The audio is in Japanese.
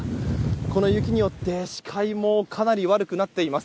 この雪によって視界もかなり悪くなっています。